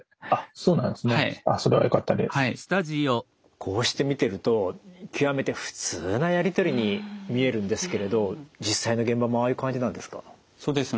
こうして見てると極めて普通なやり取りに見えるんですけれど実際の現場もああいう感じなんですか？